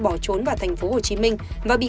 bỏ trốn vào thành phố hồ chí minh và bị